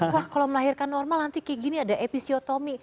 wah kalau melahirkan normal nanti kayak gini ada episiotomi